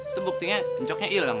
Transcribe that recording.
itu buktinya kencoknya ilang